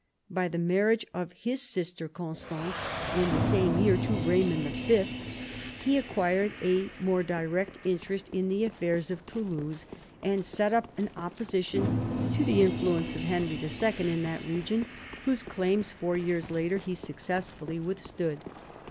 By the marriage of his sister Constance in the same year to Raymond V. he acquired a more direct interest in the affairs of Toulouse, and set up an opposition to the influence of Henry II. in that region, whose claims, four years later, he successfully withstood.